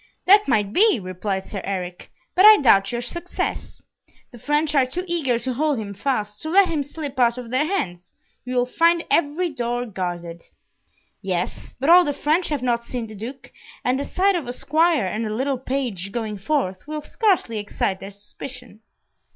"That might be," replied Sir Eric; "but I doubt your success. The French are too eager to hold him fast, to let him slip out of their hands. You will find every door guarded." "Yes, but all the French have not seen the Duke, and the sight of a squire and a little page going forth, will scarcely excite their suspicion."